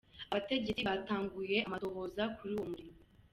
Abategetsi batanguye amatohoza kuri uyo muriro.